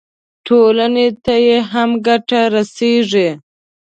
ټولنې ته یې هم ګټه رسېږي.